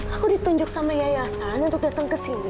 aku ditunjuk sama yayasan untuk datang ke sini